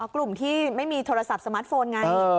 กลุ่มที่ไม่มีโทรศัพท์สมาร์ทโฟนไง